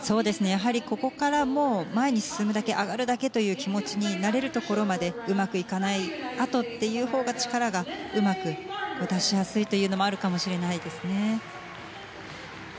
ここから前に進むだけ上がるだけという気持ちになれるところまでうまくいかないあとというほうが力がうまく出しやすいというのもあるかもしれないですね。